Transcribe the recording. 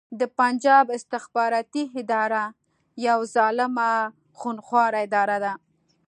د پنجاب استخباراتې اداره يوه ظالمه خونښواره اداره ده